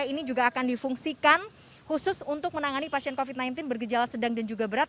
ini juga akan difungsikan khusus untuk menangani pasien covid sembilan belas bergejala sedang dan juga berat